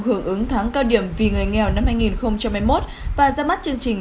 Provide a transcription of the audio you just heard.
hưởng ứng tháng cao điểm vì người nghèo năm hai nghìn hai mươi một và ra mắt chương trình